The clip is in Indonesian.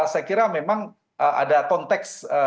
saya kira memang ada konteks